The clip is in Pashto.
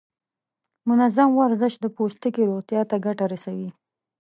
منظم ورزش د پوستکي روغتیا ته ګټه رسوي.